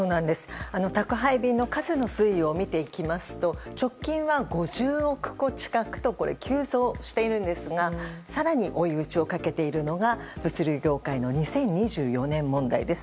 宅配便の数の推移を見ていきますと直近は５０億個近くと急増しているんですが更に追い打ちをかけているのが物流業界の２０２４年問題です。